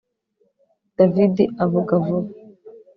David avuga vuba